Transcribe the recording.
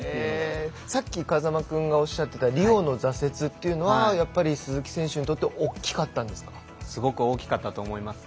さっき風間君がおっしゃっていたリオの挫折というのは鈴木選手にとってすごく大きかったと思います。